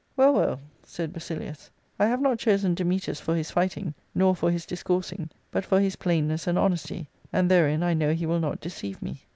" Well, well," said Basilius, " I have not chosen Dametas for his fighting, nor for his discoursing, but for his plainness and honesty ; and therein I know he will not deceive me."